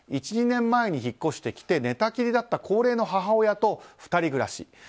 １２年前に引っ越してきて寝たきりだった高齢の母親と２人暮らし。